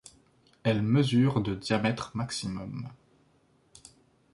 Elle mesure de diamètre maximum.